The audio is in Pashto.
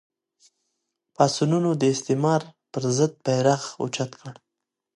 پاڅونونو د استعمار پر ضد بېرغ اوچت کړ